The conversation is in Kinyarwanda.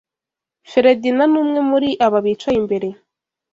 Feredina ni umwe muri aba bicaye imbere